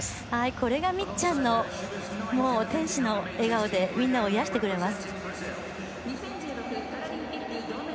これがみっちゃんの天使の笑顔でみんなを癒やしてくれます。